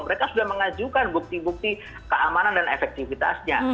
mereka sudah mengajukan bukti bukti keamanan dan efektivitasnya